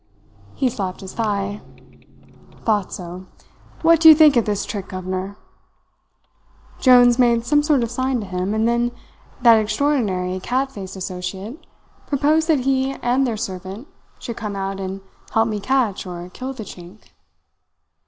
"He slapped his thigh. "'Thought so. What do you think of this trick, governor?' "Jones made some sort of sign to him, and then that extraordinary cat faced associate proposed that he and their servant should come out and help me catch or kill the Chink.